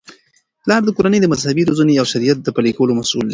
پلار د کورنی د مذهبي روزنې او د شریعت د پلي کولو مسؤل دی.